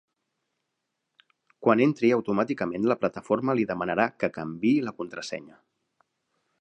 Quan entri automàticament la plataforma li demanarà que canviï la contrasenya.